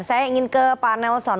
saya ingin ke pak nelson